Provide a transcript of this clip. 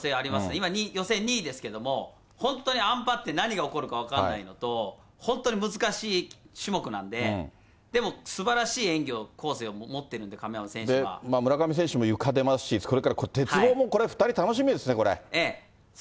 今、予選２位ですけど、本当にあん馬って何が起こるか分からないのと、本当に難しい種目なんで、でも、すばらしい演技構成を持ってるので、村上選手もゆか出ますし、それから鉄棒も２人、これ、楽しみですね。